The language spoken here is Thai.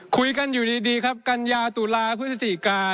คุยกันอยู่ดีครับกัญญาตุลาพฤศจิกา